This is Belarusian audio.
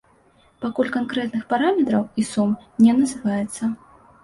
Пакуль канкрэтных параметраў і сум не называецца.